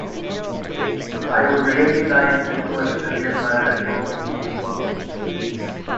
I'd really like to coach the Real Madrid youth team.